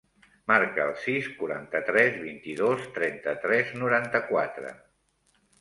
Marca el sis, quaranta-tres, vint-i-dos, trenta-tres, noranta-quatre.